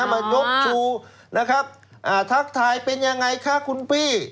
มายกชูนะครับทักทายเป็นยังไงคะคุณพี่